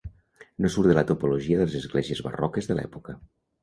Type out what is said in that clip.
No surt de la tipologia de les esglésies barroques de l'època.